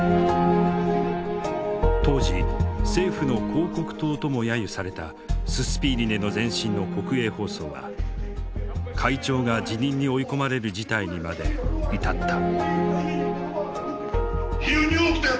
当時政府の広告塔とも揶揄されたススピーリネの前身の国営放送は会長が辞任に追い込まれる事態にまで至った。